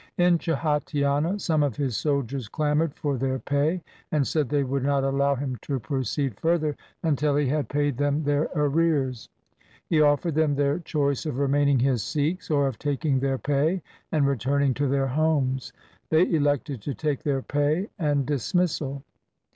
In Chhatiana some of his soldiers clamoured for their pay, and said they would not allow him to proceed further until he had paid them their arrears. He offered them their choice of remaining his Sikhs or of taking their pay and re turning to their homes. They elected to take their pay and dismissal.